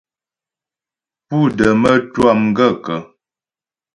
Pú də mətwâ m gaə́kə̀ ?